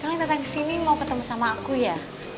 kalian dateng kesini mau bertemu sama aku ya